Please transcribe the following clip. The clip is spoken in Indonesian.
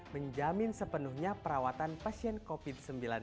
menjamin sepenuhnya perawatan pasien covid sembilan belas